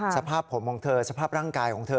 สภาพผมของเธอสภาพร่างกายของเธอ